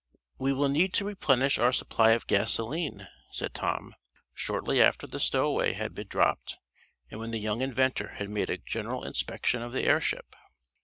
"We will need to replenish our supply of gasoline," said Tom, shortly after the stowaway had been dropped, and when the young inventor had made a general inspection of the airship.